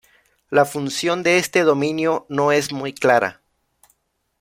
La función de este dominio no es muy clara.